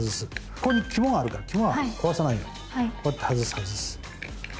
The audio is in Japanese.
ここに肝があるから肝は壊さないようにこうやって外す外す。